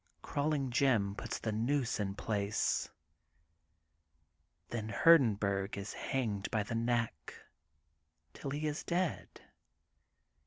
Crawling Jim puts the noose in place. Then Hurdenburg is hanged by the neck till he is dead.